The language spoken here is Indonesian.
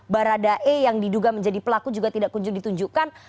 baradae yang diduga menjadi pelaku juga tidak kunjung ditunjukkan